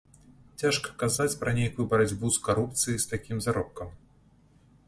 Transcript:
Цяжка казаць пра нейкую барацьбу з карупцыяй з такім заробкам.